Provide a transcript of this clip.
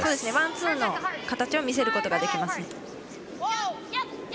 ワン、ツーの形を見せることができますね。